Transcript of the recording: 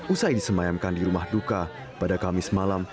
usai disemayamkan di rumah duka pada kamis malam